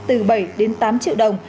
từ bảy đến tám triệu đồng